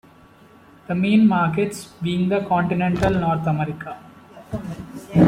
The main markets being the Continental North America.